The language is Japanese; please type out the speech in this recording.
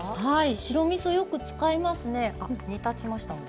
白みそ、よく使いますね。